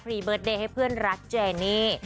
เบิร์ตเดย์ให้เพื่อนรักเจนี่